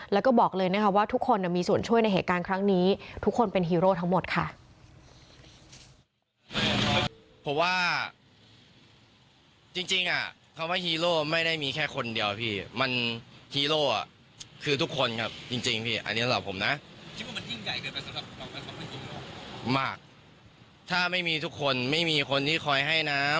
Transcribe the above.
แล้วก็บอกเลยนะคะว่าทุกคนมีส่วนช่วยในเหตุการณ์ครั้งนี้ทุกคนเป็นฮีโร่ทั้งหมดค่ะ